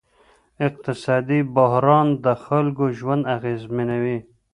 اقتصادي بحران د خلکو ژوند اغېزمنوي.